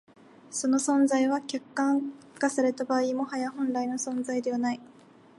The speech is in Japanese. その存在は、客観化された場合、もはや本来の存在でない。